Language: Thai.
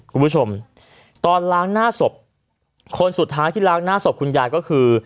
คุณผู้ชมตอนล้างหน้าศพคนสุดท้ายที่ล้างหน้าศพคุณยายก็คือ